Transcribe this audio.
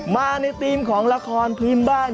มาในธีมของละครพื้นบ้าน